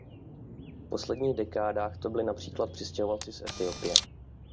V posledních dekádách to byli například přistěhovalci z Etiopie.